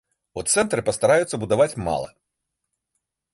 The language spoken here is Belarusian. У цэнтры пастараюцца будаваць мала.